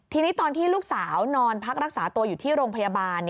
ทีนี้ตอนที่ลูกสาวนอนพักรักษาตัวอยู่ที่โรงพยาบาล